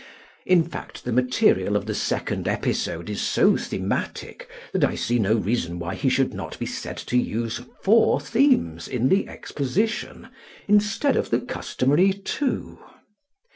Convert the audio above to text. In fact, the material of the second episode is so thematic that I see no reason why he should not be said to use four themes in the exposition instead of the customary two.